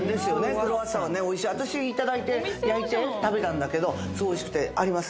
クロワッサンはおいしい私いただいて焼いて食べたけどすごいおいしくてあります？